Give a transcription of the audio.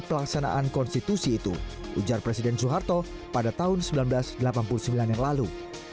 pelaksanaan konstitusi itu ujar presiden soeharto pada tahun seribu sembilan ratus delapan puluh sembilan yang lalu